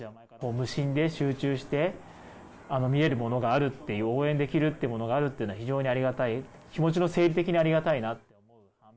無心で、集中して、見れるものがある、応援できるものがあるっていうのは非常にありがたい、気持ちの整理的にありがたいなって。